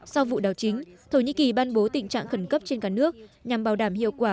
sau vụ đảo chính thổ nhĩ kỳ ban bố tình trạng khẩn cấp trên cả nước nhằm bảo đảm hiệu quả